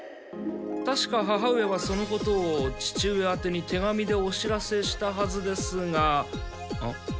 たしか母上はそのことを父上あてに手紙でお知らせしたはずですがんっ？